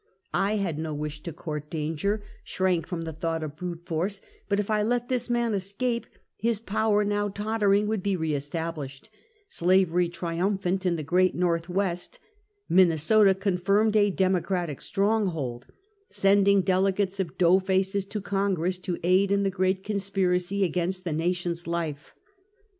I had no wish to court danger — shrank from the thought of brute force; but if I let this man escape, his power, now tottering, would be re established; slavery triumphant in the great Northwest; Minnesota confirmed a democratic strong hold, sending delegates of dough faces to Con gress to aid in the great conspiracy against the na tion's life.